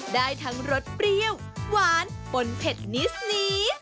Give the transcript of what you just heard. ได้ทั้งรสเปรี้ยวหวานปนเผ็ดนิสนี้